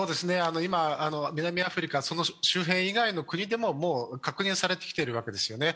今、南アフリカ、その周辺以外の国でももう確認されてきているわけですよね。